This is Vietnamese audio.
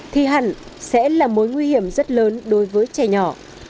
thì hẳn sẽ là mối nguy hiểm rất lớn đối với trẻ nhỏ